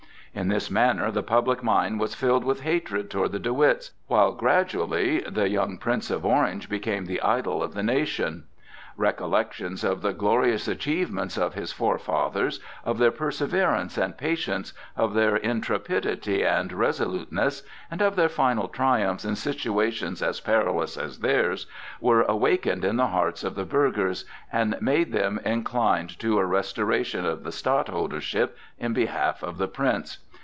In this manner the public mind was filled with hatred toward the De Witts, while gradually the young Prince of Orange became the idol of the nation. Recollections of the glorious achievements of his forefathers, of their perseverance and patience, of their intrepidity and resoluteness, and of their final triumphs in situations as perilous as theirs, were awakened in the hearts of the burghers, and made them inclined to a restoration of the stadtholdership in behalf of the Prince.